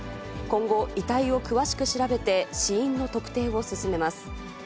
今後、遺体を詳しく調べて死因の特定を進めます。